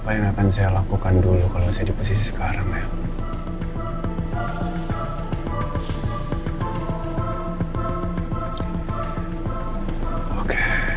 apa yang akan saya lakukan dulu kalau saya di posisi sekarang ya oke